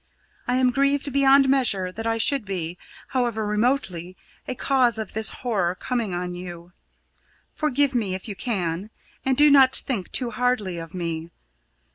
I am grieved beyond measure that I should be, however remotely, a cause of this horror coming on you. Forgive me if you can, and do not think too hardly of me.